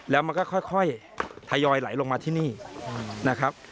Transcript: แล้วมันก็ค่อยทยอยไหลลงมาที่นี่นะครับ